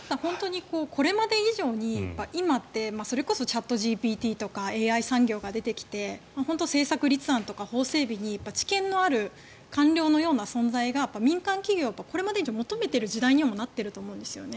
これまで以上に、今ってそれこそチャットＧＰＴとかＡＩ産業が出てきて本当に政策立案とか法整備に知見のある官僚のような存在が民間企業もこれまで以上に求めてる時代にもなってると思うんですよね。